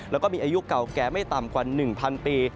แล้วก็มีอายุเก่าแก่ไม่ต่ำกว่า๑๐๐ปี